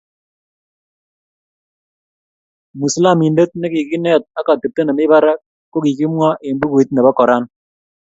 Mwisalamiante ne ki kineet ak atepto nemii barak ko kikimwa eng bukuit nebo Qoran.